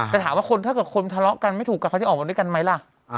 แต่ถามว่าคนถ้าเกิดคนทะเลาะกันไม่ถูกกับเขาจะออกมาด้วยกันไหมล่ะ